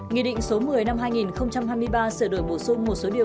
nghị định số một mươi năm hai nghìn hai mươi ba sửa đổi bổ sung một số điều